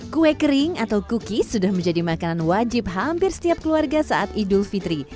kue kering atau kuki sudah menjadi makanan wajib hampir setiap keluarga saat idul fitri